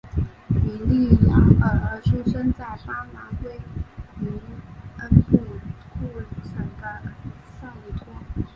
比利亚尔出生在巴拉圭涅恩布库省的塞里托。